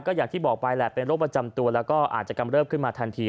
อย่างที่บอกไปแหละเป็นโรคประจำตัวแล้วก็อาจจะกำเริบขึ้นมาทันที